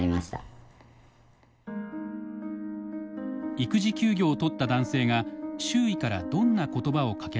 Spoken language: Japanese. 育児休業を取った男性が周囲からどんな言葉をかけられたのか。